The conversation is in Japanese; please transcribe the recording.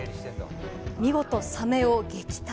見事サメを撃退！